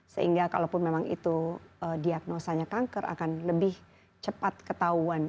sehingga kalaupun memang itu diagnosanya kanker akan lebih cepat ketahuan